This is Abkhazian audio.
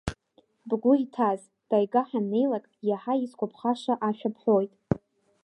Бгәы иҭаз, Таига ҳаннеилак, иаҳа исгәаԥхаша ашәа бҳәоит.